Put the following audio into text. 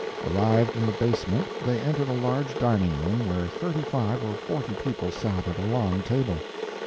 Arrived in the basement, they entered a large dining room where thirty five or forty people sat at a long table.